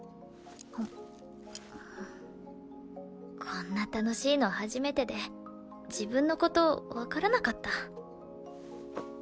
こんな楽しいの初めてで自分の事わからなかった。